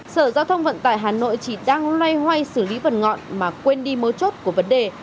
sở giao thông vận tải hà nội chỉ đang loay hoay xử lý phần ngọn mà quên đi mấu chốt của vấn đề